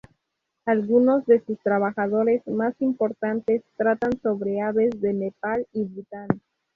Algunos de sus trabajos más importantes tratan sobre aves de Nepal y Bhutan.